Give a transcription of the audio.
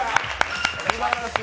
すばらしい！